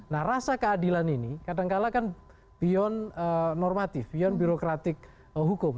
nah rasa keadilan ini kadangkala kan beyond normatif beyond birokratik hukum